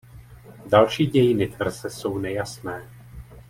Další dějiny tvrze jsou nejasné.